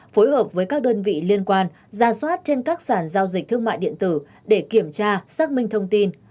phối hợp với các đơn vị liên quan ra soát trên các sản giao dịch thương mại điện tử để kiểm tra xác minh thông tin